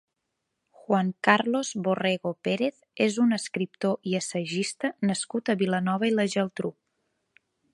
Juan Carlos Borrego Pérez és un escriptor i assajista nascut a Vilanova i la Geltrú.